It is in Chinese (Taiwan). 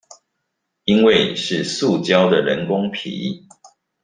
因為是塑膠的人工皮